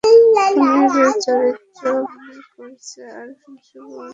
খুনির চরিত্রে অভিনয় করেছে আরিফিন শুভ এবং চিকিৎসকের চরিত্রে মারজান জেনিফা।